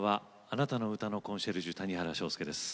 あなたの歌のコンシェルジュ谷原章介です。